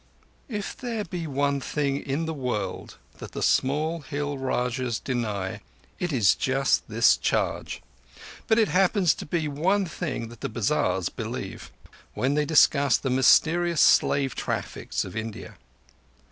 If there be one thing in the world that the small Hill Rajahs deny it is just this charge; but it happens to be one thing that the bazars believe, when they discuss the mysterious slave traffics of India.